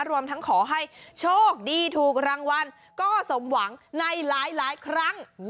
รวมทั้งขอให้โชคดีถูกรางวัลก็สมหวังในหลายครั้ง